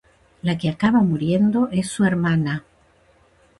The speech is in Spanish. La que acaba muriendo es su hermana.